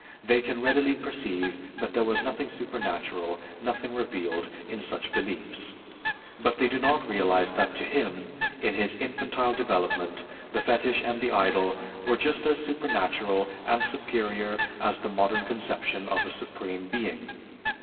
They can readily perceive that there was nothing supernatural, nothing revealed, in such beliefs; but they do not realize that to him, in his infantile development, the fetish and the idol were just as supernatural and superior as the modern conception of a Supreme Being.